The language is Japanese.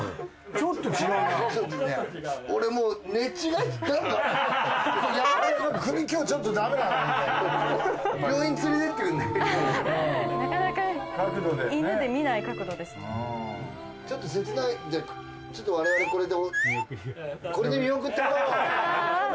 ちょっと切ないんでちょっと我々これで。